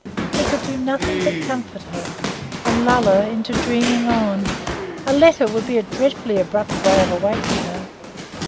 He could do nothing but comfort her, and lull her into dreaming on. A letter would be a dreadfully abrupt way of awakening her!